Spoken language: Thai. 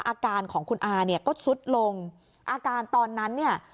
อาการของคุณอาเนี่ยก็สุดลงอาการตอนนั้นเนี่ย